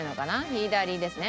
左ですね。